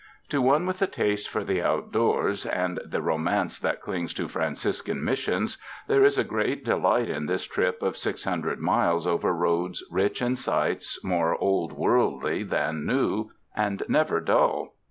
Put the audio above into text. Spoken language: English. To one with a taste for the outdoors and the ro mance that clings to Franciscan Missions, there is a great delight in this trip of six hundred miles over roads rich in sights more Old Worldly than New, and never dull.